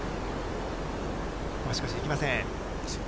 しかし、できません。